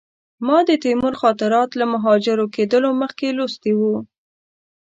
ما د تیمور خاطرات له مهاجر کېدلو مخکې لوستي وو.